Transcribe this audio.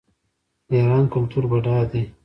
د ایران کلتور بډایه دی.